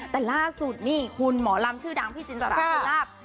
แต่ล่าสุดนี่คุณหมอลำชื่อดังพี่จินตราภูลาภ